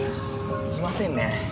いませんね。